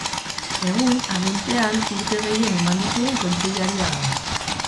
Egun, agintean urte gehien eman dituen kontseilaria da.